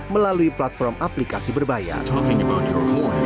melalui platform aplikasi berbayar